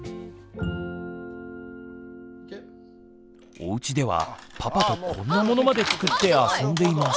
おうちではパパとこんなものまで作って遊んでいます。